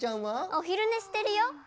おひるねしてるよ。